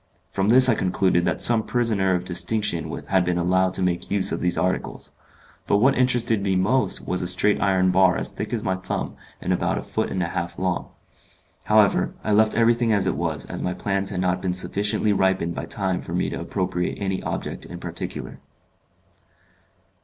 From this I concluded that some prisoner of distinction had been allowed to make use of these articles. But what interested me most was a straight iron bar as thick as my thumb, and about a foot and a half long. However, I left everything as it was, as my plans had not been sufficiently ripened by time for me to appropriate any object in particular.